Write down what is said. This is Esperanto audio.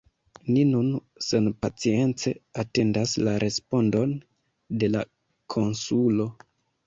Ni nun senpacience atendas la respondon de la konsulo.